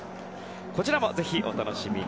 こちらもぜひお楽しみに。